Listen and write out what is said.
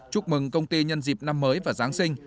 chúc mừng công ty nhân dịp năm mới và giáng sinh